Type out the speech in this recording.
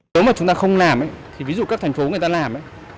nếu mà chúng ta không làm ví dụ các thành phố người ta làm